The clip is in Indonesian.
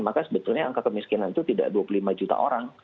maka sebetulnya angka kemiskinan itu tidak dua puluh lima juta orang